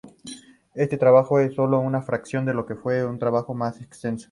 Este trabajo es sólo una fracción de lo que fue un trabajo más extenso.